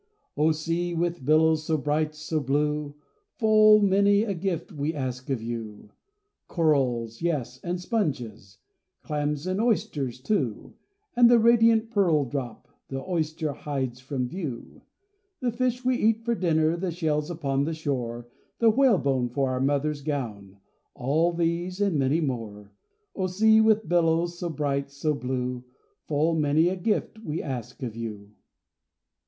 O Sea, with billows so bright, so blue! Full many a gift we ask of you: Corals, yes, and sponges, Clams and oysters, too, And the radiant pearl drop The oyster hides from view. The fish we eat for dinner, The shells upon the shore, The whalebone for our mother's gown, All these and many more. O Sea, with billows so bright, so blue! Full many a gift we ask of you.